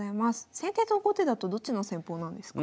先手と後手だとどっちの戦法なんですか？